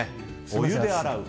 お湯で洗う。